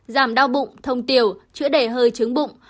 một mươi một giảm đau bụng thông tiểu chữa đẩy hơi trứng bụng